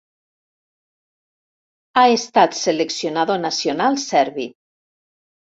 Ha estat seleccionador nacional serbi.